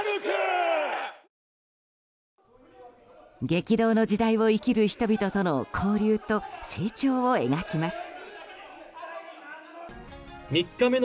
激動の時代を生きる人々との交流と成長を描きます。